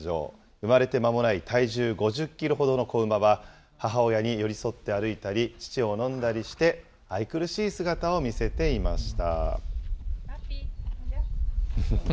生まれて間もない体重５０キロほどの子馬は、母親に寄り添って歩いたり、乳を飲んだりして、愛くるしい姿を見せていました。